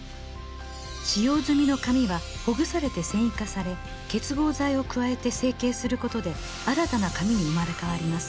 使用済みの紙はほぐされて繊維化され結合剤を加えて成型することで新たな紙に生まれ変わります。